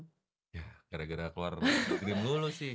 ya gara gara keluar game dulu sih